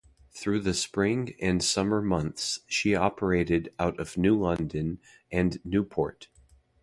Through the spring and summer months she operated out of New London and Newport.